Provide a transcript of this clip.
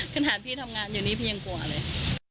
ขนาดพี่ฝังงานอย่างนี้พี่ยังกลัวเลย